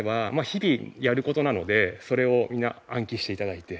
日々やる事なのでそれを皆暗記して頂いて。